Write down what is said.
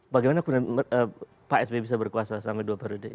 bagaimana pak s b bisa berkuasa sampai dua ribu dua puluh